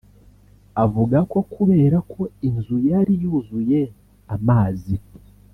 Avuga ko kubera ko inzu yari yuzuye amazi